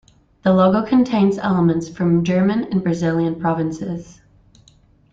The logo contains elements from German and Brazilian provinces.